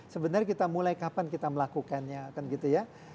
sebenarnya kita mulai kapan kita melakukannya kan gitu ya